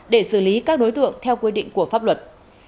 để xử lý các đối tượng theo quy định của pháp luật